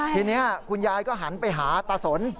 ทีนี้คุณยายก็หันไปหาตาสน